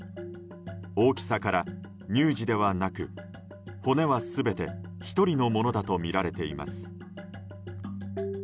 大きさから乳児ではなく骨は全て１人のものだとみられています。